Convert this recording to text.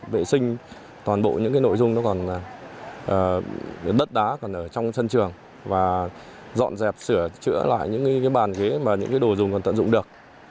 vệ sinh toàn bộ những cái nội dung nó còn là đất đá còn ở trong sân trường và dọn dẹp sửa chữa lại những cái bàn ghế mà những cái đồ dùng còn tận dụng được